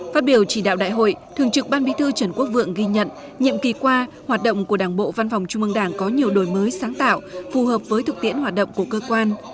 phát biểu chỉ đạo đại hội thường trực ban bí thư trần quốc vượng ghi nhận nhiệm kỳ qua hoạt động của đảng bộ văn phòng trung mương đảng có nhiều đổi mới sáng tạo phù hợp với thực tiễn hoạt động của cơ quan